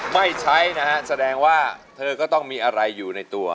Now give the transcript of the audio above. ไม่ใช้นะฮะแสดงว่าเธอก็ต้องมีอะไรอยู่ในตัว